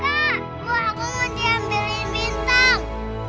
wah aku mau diambilin bintang